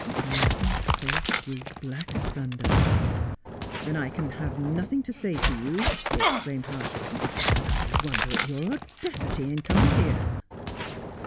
Morton's face grew black as thunder. ' Then 1 can have nothing to say to you !' he exclaimed harshly :' and I wonder at your audacity in coming here.'